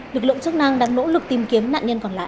lực lượng chức năng đang nỗ lực tìm kiếm nạn nhân còn lại